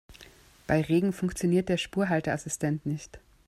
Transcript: Bei Regen funktioniert der Spurhalteassistent nicht.